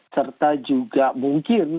serta juga mungkin